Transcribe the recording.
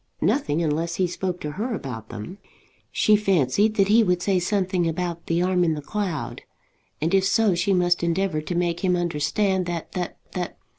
Nothing, unless he spoke to her about them. She fancied that he would say something about the arm in the cloud, and if so, she must endeavour to make him understand that that that